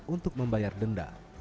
untuk membayar denda